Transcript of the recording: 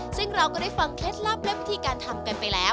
ซึ่งเราก็ได้ฟังเคล็ดลับและวิธีการทำกันไปแล้ว